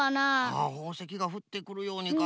あっほうせきがふってくるようにか。